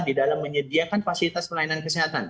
di dalam menyediakan fasilitas pelayanan kesehatan